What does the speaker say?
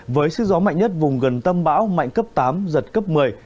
với sức gió mạnh nhất vùng gần tâm bão mạnh cấp tám giật cấp một mươi